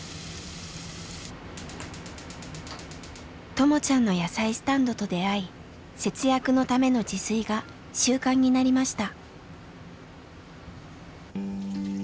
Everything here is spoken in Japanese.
ともちゃんの野菜スタンドと出会い節約のための自炊が習慣になりました。